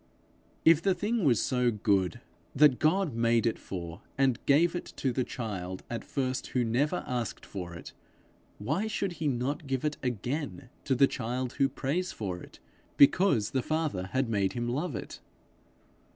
If the thing was so good that God made it for and gave it to the child at first who never asked for it, why should he not give it again to the child who prays for it because the Father had made him love it?